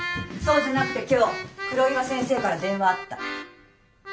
そうじゃなくて今日黒岩先生から電話あった。